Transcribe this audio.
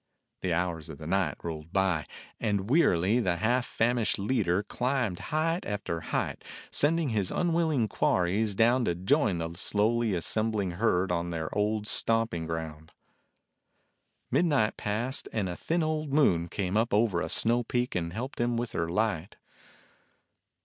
The hours of the night rolled by, and wearily the half famished leader climbed height after height, sending his unwil ling quarries down to join the slowly assem bling herd on their old stamping ground. Midnight passed, and a thin old moon came up over a snow peak and helped him with her light.